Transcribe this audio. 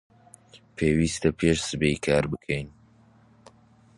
پێویستە پێش سبەی کارەکە بکەین.